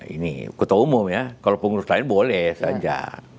ini ketua umum ya kalau pengurus lain boleh saja